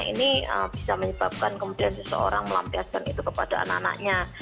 ini bisa menyebabkan kemudian seseorang melampiaskan itu kepada anak anaknya